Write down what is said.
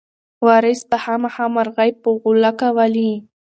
وارث به خامخا مرغۍ په غولکه ولي.